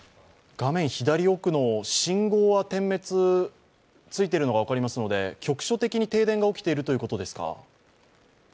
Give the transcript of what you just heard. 画面左奥の信号は点滅、ついているのが分かりますので、局所的に停電が起きているということですか？